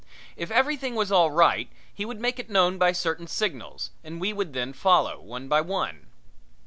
If everything was all right he would make it known by certain signals and we would then follow, one by one.